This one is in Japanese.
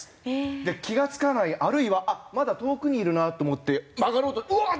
で気が付かないあるいはまだ遠くにいるなと思って曲がろうとうわっ！